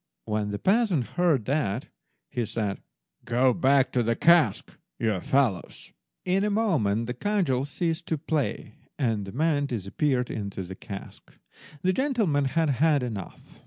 When the peasant heard that, he said— "Go back to the cask, you fellows." In a moment the cudgels ceased to play, and the men disappeared into the cask. The gentleman had had enough.